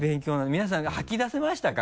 皆さん吐き出せましたか？